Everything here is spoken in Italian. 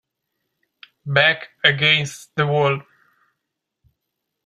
Back Against the Wall